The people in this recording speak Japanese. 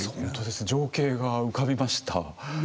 情景が浮かびました。ね。